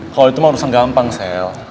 kalau itu mah urusan gampang sel